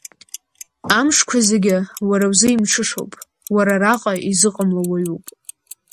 Амшқәа зегьы уара узы имҽышоуп, уара араҟа изыҟамло уаҩуп.